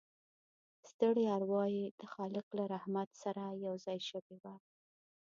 ستړې اروا يې د خالق له رحمت سره یوځای شوې وه